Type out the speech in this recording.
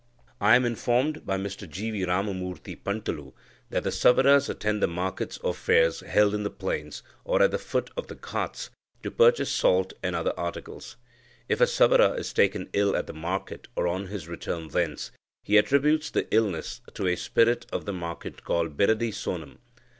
I am informed by Mr G. V. Ramamurthi Pantulu that the Savaras attend the markets or fairs held in the plains, or at the foot of the ghats, to purchase salt and other articles. If a Savara is taken ill at the market or on his return thence, he attributes the illness to a spirit of the market called Biradi Sonum.